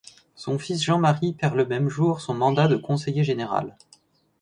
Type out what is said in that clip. Son fils Jean-Marie perd le même jour son mandat de conseiller général.